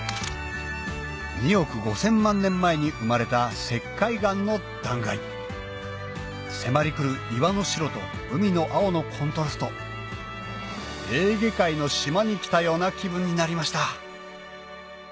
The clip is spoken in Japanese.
２億５０００万年前に生まれた石灰岩の断崖迫りくる岩の白と海の青のコントラストエーゲ海の島に来たような気分になりました